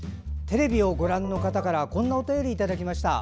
テレビをご覧の方からこんなお便りいただきました。